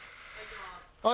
はい。